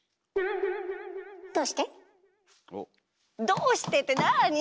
「どうして？」ってなあに？